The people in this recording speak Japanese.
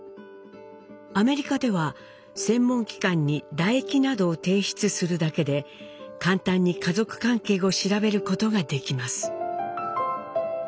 アメリカでは専門機関に唾液などを提出するだけで簡単に家族関係を調べることができます。